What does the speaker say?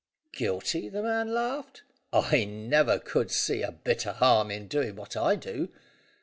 "Guilty?" the man laughed. "I never could see a bit o' harm in doing what I do.